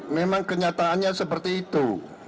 memang kenyataannya seperti itu